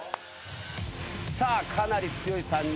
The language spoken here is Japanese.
さあかなり強い３人。